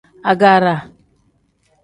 Agaara.